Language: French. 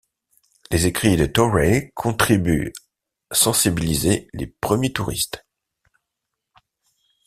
Les écrits de Torrey contribuent sensibiliser les premiers touristes.